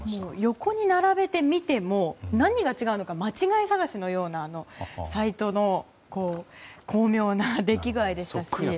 横に並べてみても何が違うのか間違い探しのようなサイトの巧妙な出来具合でしたし